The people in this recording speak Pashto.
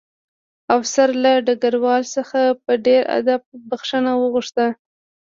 افسر له ډګروال څخه په ډېر ادب بښنه وغوښته